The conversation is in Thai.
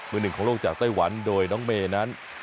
มือหนึ่งของโลกจากไต้หวันโดยน้องเมย์นั้น